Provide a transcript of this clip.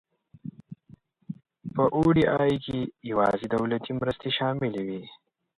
په او ډي آی کې یوازې دولتي مرستې شاملې وي.